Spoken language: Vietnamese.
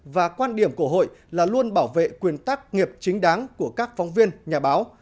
và quan điểm của hội là luôn bảo vệ quyền tác nghiệp chính đáng của các phóng viên nhà báo